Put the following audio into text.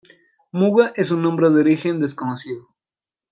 Muga es un nombre de origen desconocido.